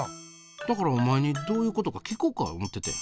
だからお前にどういうことか聞こか思っててん。